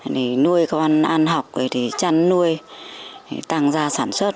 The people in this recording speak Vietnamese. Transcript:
nuôi con ăn học chăn nuôi tăng ra sản xuất